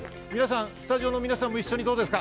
スタジオの皆さんも一緒にどうですか。